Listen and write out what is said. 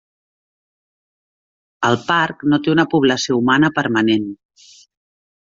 El parc no té una població humana permanent.